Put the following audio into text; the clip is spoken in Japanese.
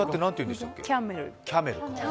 キャメル。